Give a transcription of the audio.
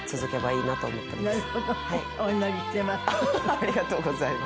ありがとうございます。